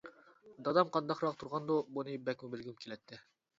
دادام قانداقراق تۇرغاندۇ؟ بۇنى بەكمۇ بىلگۈم كېلەتتى.